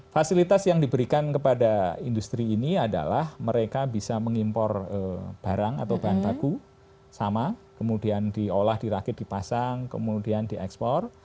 fasilitas yang diberikan kepada industri ini adalah mereka bisa mengimpor barang atau bahan baku sama kemudian diolah dirakit dipasang kemudian diekspor